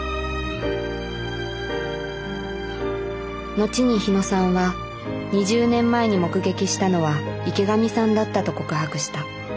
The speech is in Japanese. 後に日野さんは２０年前に目撃したのは池上さんだったと告白した。